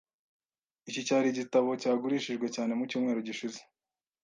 Iki cyari igitabo cyagurishijwe cyane mu cyumweru gishize.